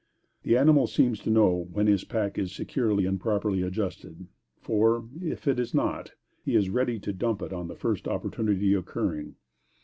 The animal seems to know when his pack is securely and properly adjusted; for, if it is not, he is ready to dump it on the first opportunity occurring.